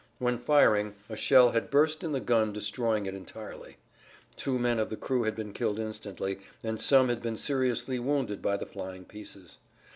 When firing, a shell had burst in the gun destroying it entirely. Two men of the crew had been killed instantly and some had been seriously wounded by the flying pieces.